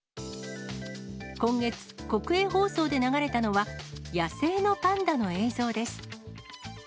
今月、国営放送で流れたのは、野生のパンダの映像です。